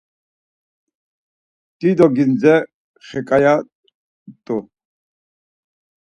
Dido gindze xekaye rt̆u.